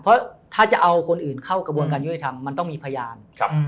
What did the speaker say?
เพราะถ้าจะเอาคนอื่นเข้ากระบวนการยุติธรรมมันต้องมีพยาน